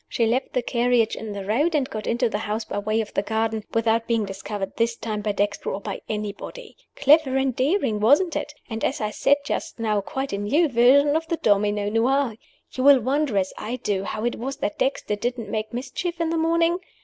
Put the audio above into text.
She left the carriage in the road, and got into the house by way of the garden without being discovered, this time, by Dexter or by anybody. Clever and daring, wasn't it? And, as I said just now, quite a new version of the 'Domino Noir.' You will wonder, as I did, how it was that Dexter didn't make mischief in the morning?